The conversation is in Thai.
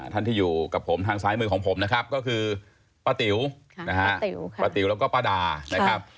ท่านที่อยู่กับผมทางซ้ายมือของผมนะครับก็คือป้าติ๋วนะฮะป้าติ๋วแล้วก็ป้าดานะครับ